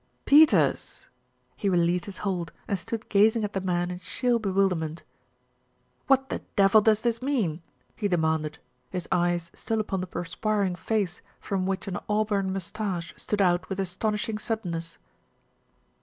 "Peters!" He released his hold and stood gazing at the man in sheer bewilderment. "What the devil does this mean?" he demanded, his eyes still upon the perspiring face from which an auburn moustache stood out with astonishing sudden ness.